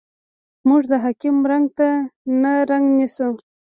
موږ د حاکم رنګ ته رنګ نیسو.